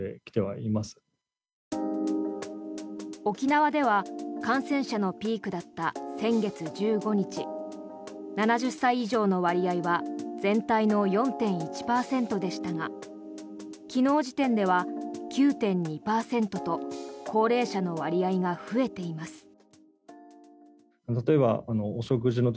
沖縄では感染者のピークだった先月１５日７０歳以上の割合は全体の４．１％でしたが昨日時点では９．２％と高齢者の割合が増えています。